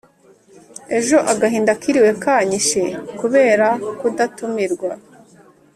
Ejo agahinda kiriwe kanyishe kubera kudatumirwa